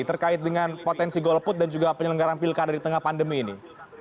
terkait dengan potensi golput dan juga penyelenggaran pilkada di tengah pandemi ini